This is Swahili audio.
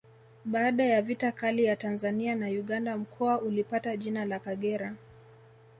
Baada ya vita kati ya Tanzania na Uganda mkoa ulipata jina la Kagera